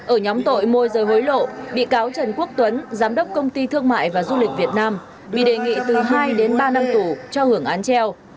ở nhóm tội môi rời hối lộ bị cáo trần quốc tuấn giám đốc công ty thương mại và du lịch việt nam bị đề nghị từ hai đến ba năm tù cho hưởng án treo